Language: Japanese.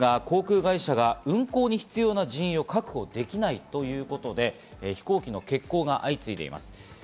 航空会社が運航に必要な人員を確保できないということで飛行機の欠航が相次いでいます。